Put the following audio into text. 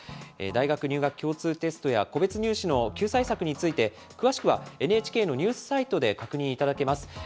大学入学共通テストや、個別入試の救済策について、詳しくはＮＨＫのニュースサイトで確認いただけます。